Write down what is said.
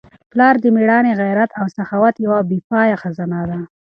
پلار د مېړانې، غیرت او سخاوت یوه بې پایه خزانه ده.